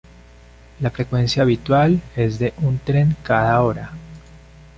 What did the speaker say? La frecuencia habitual es de un tren cada hora.